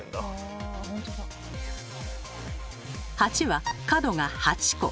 ８は角が８個。